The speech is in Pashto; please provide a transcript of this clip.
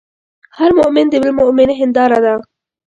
هر مؤمن د بل مؤمن هنداره ده.